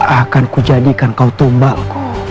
akan kujadikan kau tumbalku